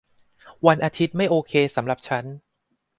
วันอาทิตย์ไม่โอเคสำหรับฉัน